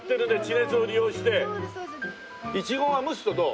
イチゴは蒸すとどう？